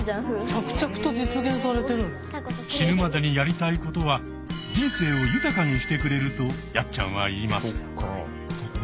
「死ぬまでにやりたいことは人生を豊かにしてくれる」とやっちゃんは言います。